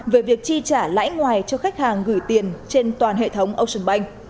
về việc chi trả lãi ngoài cho khách hàng gửi tiền trên toàn hệ thống ocean bank